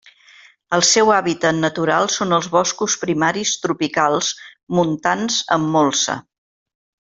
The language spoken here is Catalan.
El seu hàbitat natural són els boscos primaris tropicals montans amb molsa.